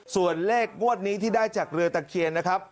ส่วนเลขงวดนี้ที่ได้จากเรือตะเคียนนะครับ